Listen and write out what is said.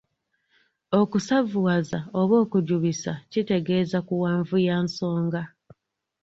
Okusavuwaza oba okujubisa kitegeeza kuwanvuya nsonga.